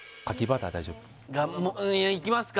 うんいきますか